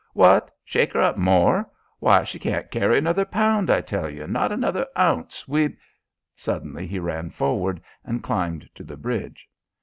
"What? shake 'er up more? Why she can't carry another pound, I tell you! Not another ounce! We " Suddenly he ran forward and climbed to the bridge.